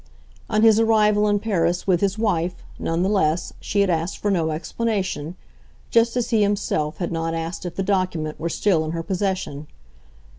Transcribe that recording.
On his arrival in Paris with his wife, none the less, she had asked for no explanation, just as he himself had not asked if the document were still in her possession.